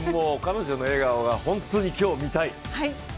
彼女の笑顔は本当に今日見たい。